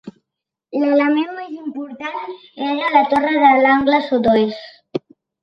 L'element més important era la torre de l'angle sud-oest.